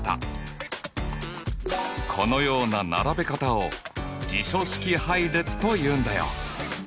このような並べ方を辞書式配列というんだよ。